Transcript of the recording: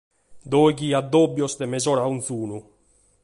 Dòighi addòbios de mesora ognunu.